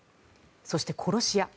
そして、殺し屋。